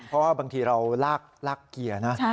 เพราะว่าบางทีเราลากเกียร์นะ